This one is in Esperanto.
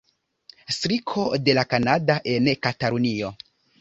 Striko de La Kanada en Katalunio.